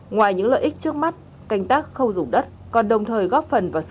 ngoài những lợi ích trước mắt canh tác không dùng đất còn đồng thời góp phần vào sản lượng